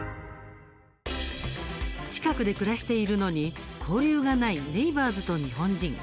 近くで暮らしているのに交流がないネイバーズと日本人。